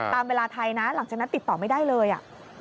ตามเวลาไทยนะหลังจากนั้นติดต่อไม่ได้เลยอ่ะ